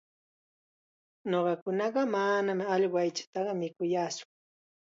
Ñuqakunaqa manam allqu aychata mikuyaatsu.